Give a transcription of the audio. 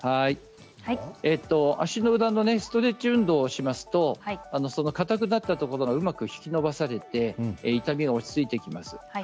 足の裏のストレッチ運動ををしますとそのかたくなったところをうまく引き伸ばされて痛みが落ち着いてきます。